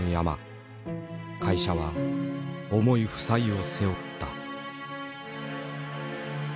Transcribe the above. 会社は重い負債を背負った。